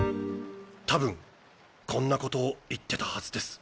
多分こんな事を言ってたはずです。